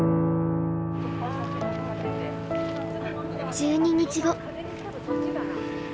１２日後。